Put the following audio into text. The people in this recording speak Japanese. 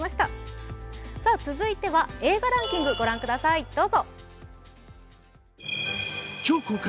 続いては映画ランキングをご覧ください、どうぞ。